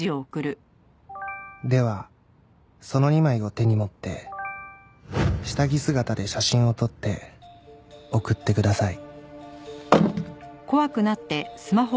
「ではその２枚を手に持って」「下着姿で写真を撮って送ってください」